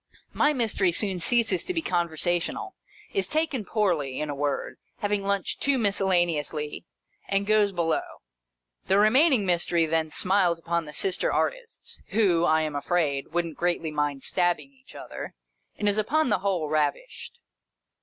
My Mystery soon ceases to be conversational — is taken poorly, in a word, having lunched too miscella neously— and goes below. The remaining Mystery then smiles upon the sister artists (who, I am afraid, wouldn't greatly mind stabbing each other), and is upon the whole ravished.